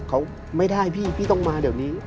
เขาไม่ได้พี่พี่ต้องมาเดี๋ยวนี้